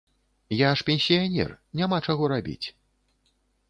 Я ж пенсіянер, няма чаго рабіць.